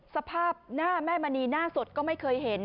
สภาพหน้าแม่มณีหน้าสดก็ไม่เคยเห็น